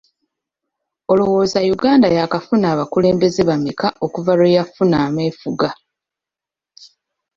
Olowooza Uganda yaakafuna abakulembeze bammeka okuva lwe yafuna ameefuga?